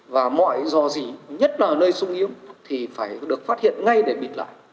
và mọi dò gì nhất là nơi sung yếu thì phải được phát hiện ngay để bịt lại